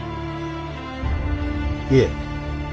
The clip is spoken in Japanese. いえ。